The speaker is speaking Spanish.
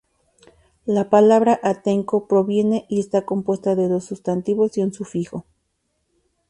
La palabra Atenco, proviene y está compuesta de dos sustantivos y un sufijo.